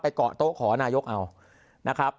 เกาะโต๊ะขอนายกเอานะครับ